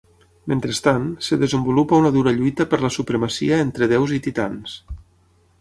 Mentrestant, es desenvolupa una dura lluita per la supremacia entre déus i titans.